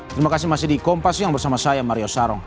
terima kasih masih di kompas siang bersama saya mario sarong